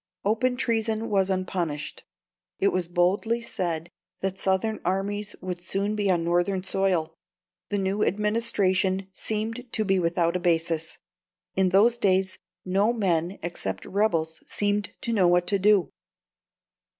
Open treason was unpunished; it was boldly said that Southern armies would soon be on Northern soil; the New Administration seemed to be without a basis; in those days, no men except rebels seemed to know what to do.